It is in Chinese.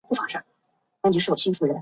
本站因临近桃浦镇李子园村而得名。